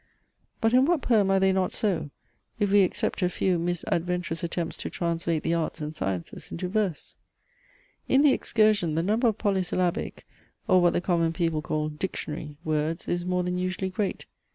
But in what poem are they not so, if we except a few misadventurous attempts to translate the arts and sciences into verse? In THE EXCURSION the number of polysyllabic (or what the common people call, dictionary) words is more than usually great.